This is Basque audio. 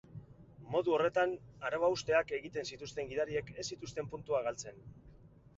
Modu horretan, arau-hausteak egiten zituzten gidariek ez zituzten puntuak galtzen.